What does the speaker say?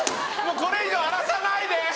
これ以上荒らさないで！